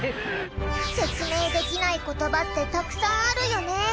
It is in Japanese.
説明できない言葉ってたくさんあるよね。